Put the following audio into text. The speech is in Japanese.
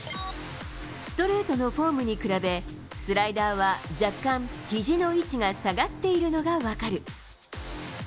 ストレートのフォームに比べ、スライダーは若干、ひじの位置が下がっているのが分かる。